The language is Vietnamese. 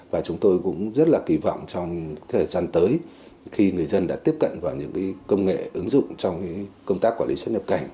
và chúng tôi cũng rất là kỳ vọng trong thời gian tới khi người dân đã tiếp cận vào những công nghệ ứng dụng trong công tác quản lý xuất nhập cảnh